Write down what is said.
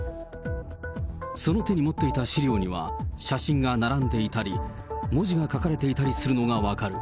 その手に持っていた資料には、写真が並んでいたり、文字が書かれていたりするのが分かる。